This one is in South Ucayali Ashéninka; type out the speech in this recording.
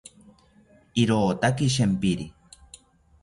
Irotaki shempiri